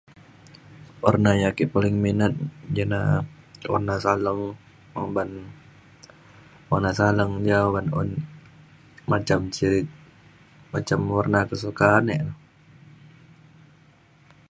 warna yak ake paling minat jin na’a warna saleng uban warna saleng ja uban un macam ceri- macam warna kesukaan e na